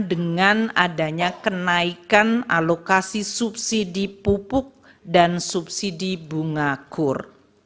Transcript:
dengan adanya kenaikan alokasi subsidi pupuk dan subsidi bunga kur